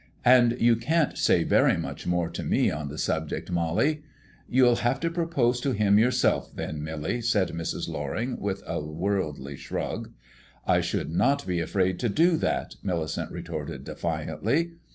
And you can't say very much more to me on the subject, Mollie." "You'll have to propose to him yourself, then, Millie," said Mrs. Loring, with a worldly shrug. "I should not be afraid to do that," Millicent retorted defiantly.